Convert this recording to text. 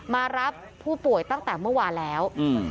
มารับผู้ป่วยตั้งแต่เมื่อวานแล้ว